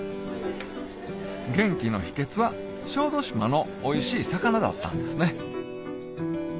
元気の秘けつは小豆島のおいしい魚だったんですね